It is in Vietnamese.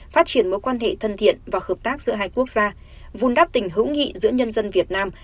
phát triển mối quan hệ thân thiện và hợp tác giữa hai quốc gia vun đắp tình hữu nghị giữa nhân dân việt nam